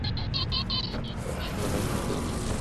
সব সোনা সেই দেশের সোনা, এ আর কারো নয়!